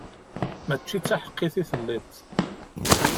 Mačči d taḥeqqit i telliḍ.